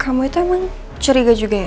kamu itu emang curiga juga ya